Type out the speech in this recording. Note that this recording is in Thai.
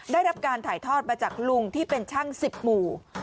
ได้รับการถ่ายทอดมาจากลุงที่เป็นช่าง๑๐หมู่